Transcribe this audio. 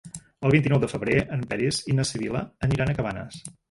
El vint-i-nou de febrer en Peris i na Sibil·la aniran a Cabanes.